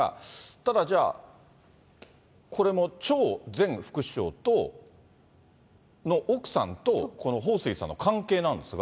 ただじゃあ、これも張前副首相の奥さんとこの彭帥さんの関係なんですが。